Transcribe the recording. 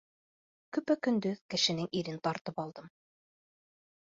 Көпә-көндөҙ кешенең ирен тартып алдым.